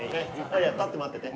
立って待ってて。